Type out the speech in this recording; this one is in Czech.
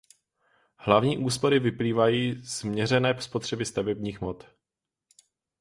Hlavní úspory vyplývají z měřené spotřeby stavebních hmot.